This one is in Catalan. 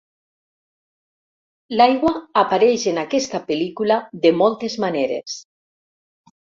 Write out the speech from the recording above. L'aigua apareix en aquesta pel·lícula de moltes maneres.